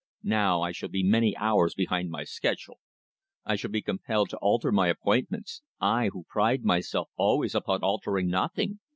Now I shall be many hours behind my schedule. I shall be compelled to alter my appointments I, who pride myself always upon altering nothing.